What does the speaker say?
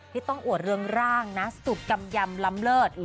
ที่ต้องอวดเรืองร่างนะสุกกำยำล้ำเลิศ